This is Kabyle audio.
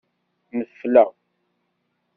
Nefleɣ.